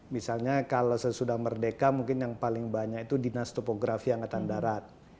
misalnya kalau sesudah merdeka mungkin yang paling banyak itu dinas topografi angkatan darat